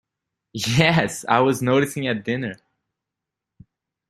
Yes, I was noticing at dinner.